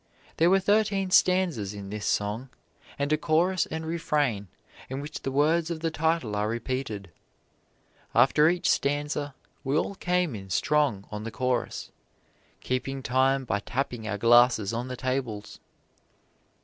There were thirteen stanzas in this song, and a chorus and refrain in which the words of the title are repeated. After each stanza we all came in strong on the chorus, keeping time by tapping our glasses on the tables.